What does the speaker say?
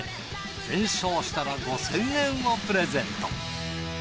全勝したら５，０００円をプレゼント。